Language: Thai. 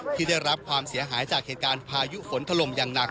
ที่ได้รับความเสียหายจากเหตุการณ์พายุฝนถล่มอย่างหนัก